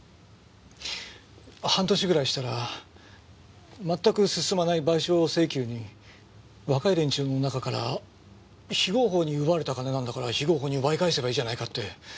半年ぐらいしたらまったく進まない賠償請求に若い連中の中から非合法に奪われた金なんだから非合法に奪い返せばいいじゃないかって。